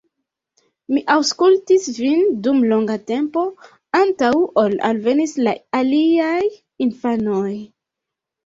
Mi aŭskultis vin dum longa tempo antaŭ ol alvenis la aliaj infanoj.